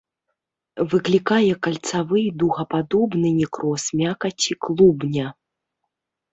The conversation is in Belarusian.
Выклікае кальцавы і дугападобны некроз мякаці клубня.